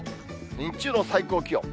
日中の最高気温。